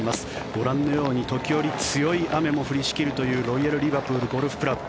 ご覧のように時折、強い雨も降りしきるというロイヤル・リバプールゴルフクラブ。